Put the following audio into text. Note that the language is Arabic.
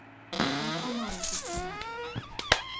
الْقَمَرُ فِي السَّمَاءِ.